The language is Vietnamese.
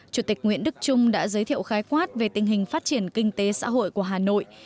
chủ tịch nguyễn đức trung đã giới thiệu khái quát về tình hình phát triển kinh tế xã hội của hà nội